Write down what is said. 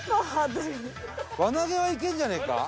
輪投げはいけるんじゃねえか？